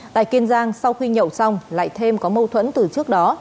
tại kiên giang sau khi nhậu xong lại thêm có mâu thuẫn từ trước đó